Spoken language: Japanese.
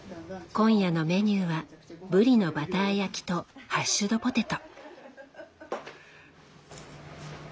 今夜のメニューはブリのバター焼きとハッシュドポテト。